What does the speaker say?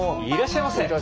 いらっしゃいませ。